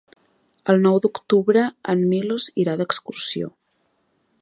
El nou d'octubre en Milos irà d'excursió.